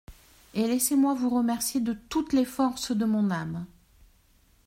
Et laissez-moi vous remercier de toutes les forces de mon âme…